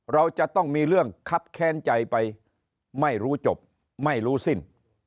เราจะต้องมีเรื่องคับแค้นใจไปไม่รู้จบไม่รู้สิ้น